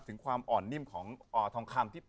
ถึงความอ่อนนิ่มของทองคลัมบุรูป